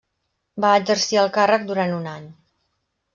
Va exercir el càrrec durant un any.